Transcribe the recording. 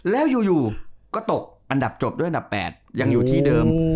แล้วอยู่ก็ตกอันดับจบด้วยอันดับ๘ยังอยู่ที่เดิม